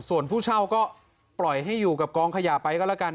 ส่วนผู้เช่าก็ปล่อยให้อยู่กับกองขยะไปก็แล้วกัน